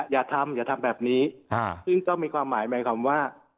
อย่าทำอย่าทำแบบนี้ซึ่งต้องมีความหมายหมายความว่า